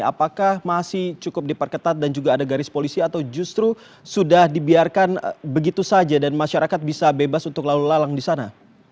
apakah masih cukup diperketat dan juga ada garis polisi atau justru sudah dibiarkan begitu saja dan masyarakat bisa bebas untuk lalu lalang di sana